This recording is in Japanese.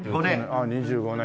ああ２５年。